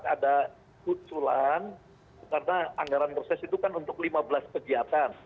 ada kuculan karena anggaran proses itu kan untuk lima belas kegiatan